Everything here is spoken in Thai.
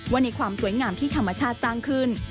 ว่าในความสวยงามที่ธรรมชาติสร้างขึ้น